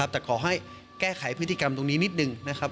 แต่ขอให้แก้ไขพฤติกรรมตรงนี้นิดนึงนะครับ